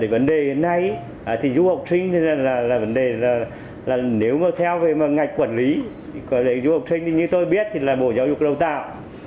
vấn đề này du học trinh là vấn đề nếu theo ngạch quản lý du học trinh như tôi biết là bộ giáo dục đào tạo